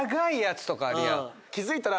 気付いたら。